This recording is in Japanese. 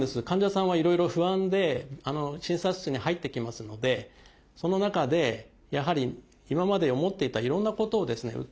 患者さんはいろいろ不安で診察室に入ってきますのでその中でやはり今まで思っていたいろんなことをですね